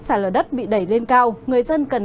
sạt lở đất bị đẩy lên cao người dân cần